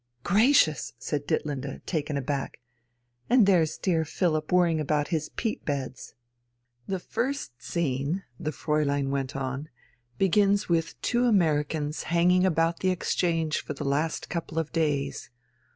"Gracious!" said Ditlinde, taken aback. "And there's dear Philipp worrying about his peat beds." "The first scene," the Fräulein went on, "begins with two Americans hanging about the Exchange for the last couple of days.